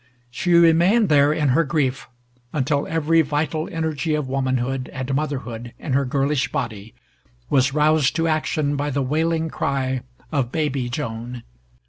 She remained there in her grief until every vital energy of womanhood and motherhood in her girlish body was roused to action by the wailing cry of baby Joan.